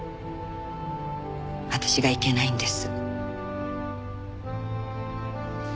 私がいけないんです。